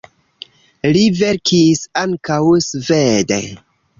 Li verkis ankaŭ svede.